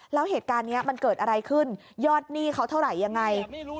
แล้วเหตุการณ์นี้มันเกิดอะไรขึ้นยอดหนี้เขาเท่าไหร่ยังไง